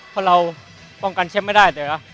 เพราะเราป้องกันเช่มไม่ได้เดี๋ยวนะ